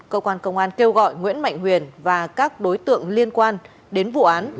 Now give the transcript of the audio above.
cơ quan công an kêu gọi nguyễn mạnh huyền và các đối tượng liên quan đến vụ án